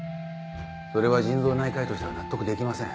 それは腎臓内科医としては納得できません。